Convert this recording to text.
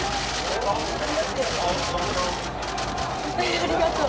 ありがとう。